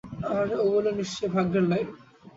আর ওগুলো নিশ্চয়ই ভাগ্যের লাইন।